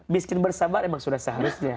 miskin bersabar memang sudah seharusnya